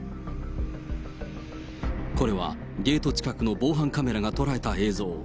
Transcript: これはゲート近くの防犯カメラが捉えた映像。